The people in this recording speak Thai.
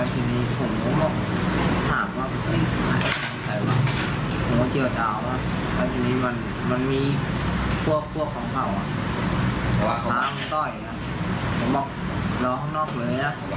ทีนี้มันมีป้วกพวกของเขาออกไปบ้างต้อยบอกรอข้างนอกเลยนะครับ